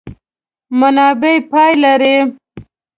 منابع پای لري.